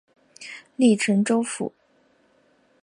隶辰州府。